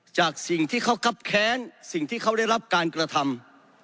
จากสิ่งที่เขาคับแค้นสิ่งที่เขาได้รับการกระทำ